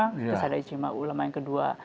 terus ada ijtima ulama yang kedua